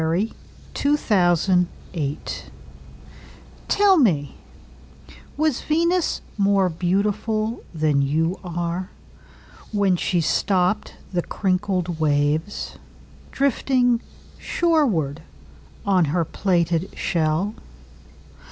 Venus Transiens By Amy Lowell TELL me, Was Venus more beautifulThan you are, When she stoppedThe crinkled waves, Drifting shorewardOn her plaited shell?